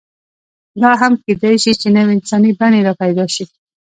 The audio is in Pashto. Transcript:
دا هم کېدی شي، چې نوې انساني بڼې راپیدا شي.